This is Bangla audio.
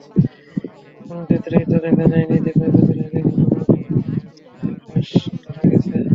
কোনো ক্ষেত্রেই তো দেখা যায়নি যে, ক্ষয়ক্ষতির আগেই ঘটনার রাশ ধরা গেছে।